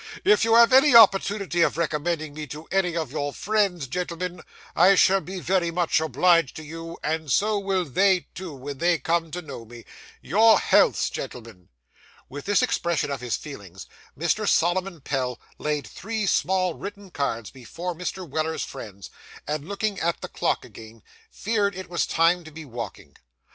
If you have any opportunity of recommending me to any of your friends, gentlemen, I shall be very much obliged to you, and so will they too, when they come to know me. Your healths, gentlemen.' With this expression of his feelings, Mr. Solomon Pell laid three small written cards before Mr. Weller's friends, and, looking at the clock again, feared it was time to be walking.